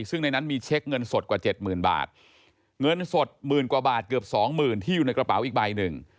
ซึ่งในนั้นมีเช็คเงินสดกว่าเจ็ดหมื่นบาทเงินสดหมื่นกว่าบาทเกือบสองหมื่นที่อยู่ในกระเป๋าอีกใบหนึ่ง